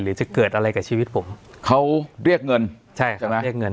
จะเกิดอะไรกับชีวิตผมเขาเรียกเงินใช่ใช่ไหมเรียกเงิน